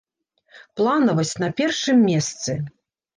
Планавасць на першым месцы!